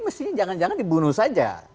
mestinya jangan jangan dibunuh saja